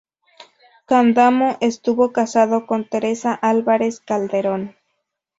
Candamo estuvo casado con Teresa Álvarez-Calderón.